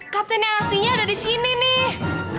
kapten yang aslinya ada di sini nih